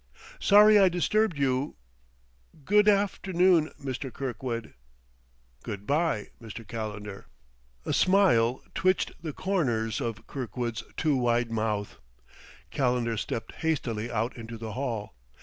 "Sorry I disturbed you. G'dafternoon, Mr. Kirkwood." "Good by, Mr. Calendar." A smile twitched the corners of Kirkwood's too wide mouth. Calendar stepped hastily out into the hall.